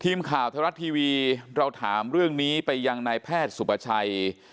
ทีมข่าวไทยรัฐทีวีเราถามเรื่องนี้ไปยังนายแพทย์สุประชัย